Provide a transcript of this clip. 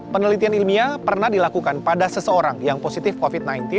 penelitian ilmiah pernah dilakukan pada seseorang yang positif covid sembilan belas